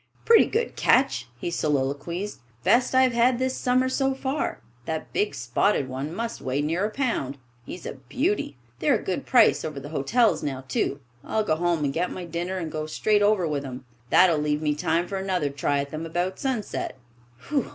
"Pretty good catch," he soliloquized. "Best I've had this summer, so far. That big spotted one must weigh near a pound. He's a beauty. They're a good price over at the hotels now, too. I'll go home and get my dinner and go straight over with them. That'll leave me time for another try at them about sunset.